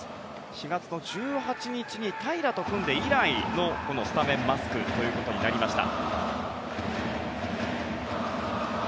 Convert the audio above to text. ４月１８日に平良と組んで以来のスタメンマスクということになりました。